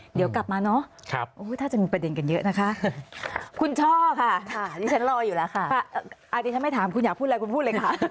เดี๋ยวกลับมาเนอะถ้าจะมีประเด็นกันเยอะนะคะคุณช่อค่ะดิฉันรออยู่แล้วค่ะอันนี้ฉันไม่ถามคุณอยากพูดอะไรคุณพูดเลยค่ะ